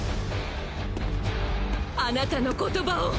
あなたの言葉を！